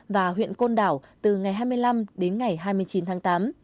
và huyện côn đảo từ ngày hai mươi năm đến ngày hai mươi chín tháng tám